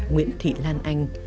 nguyễn thị lan anh